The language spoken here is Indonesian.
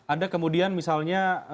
ada kemudian misalnya